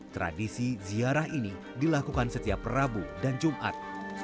tradisi ziarah ini dilakukan setiap rabu dan jumat